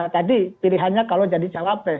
tadi pilihannya kalau jadi cawapres